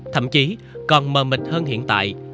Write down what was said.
thậm chí còn mờ mịch hơn hiện tại